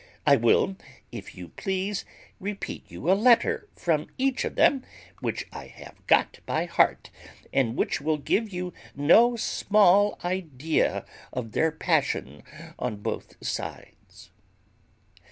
I will, if you please, repeat you a letter from each of them, which I have got by heart, and which will give you no small idea of their passion on both sides.